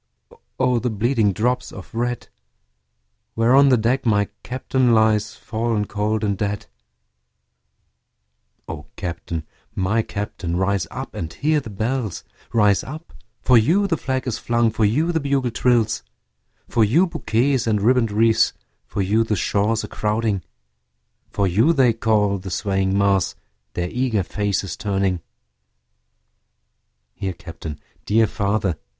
O the bleeding drops of red, Where on the deck my Captain lies, Fallen cold and dead. O Captain! my Captain! rise up and hear the bells; Rise up for you the flag is flung for you the bugle trills, For you bouquets and ribbon'd wreaths for you the shores a crowding, For you they call, the swaying mass, their eager faces turning; Here Captain! dear father!